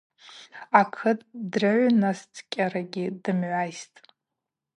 Акыт дрыгӏвснацӏкӏьарагьи дымгӏвайстӏ.